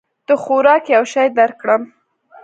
د خوراک یو شی درکړم؟